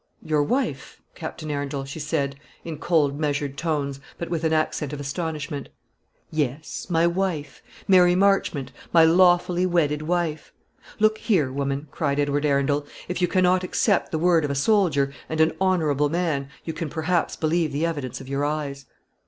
"Your wife, Captain Arundel!" she said, in cold measured tones, but with an accent of astonishment. "Yes; my wife. Mary Marchmont, my lawfully wedded wife. Look here, woman," cried Edward Arundel; "if you cannot accept the word of a soldier, and an honourable man, you can perhaps believe the evidence of your eyes."